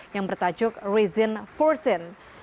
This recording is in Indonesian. yang bertajuk rezin empat belas